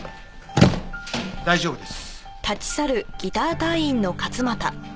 大丈夫です。